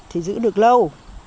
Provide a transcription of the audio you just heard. thì giữ được lâu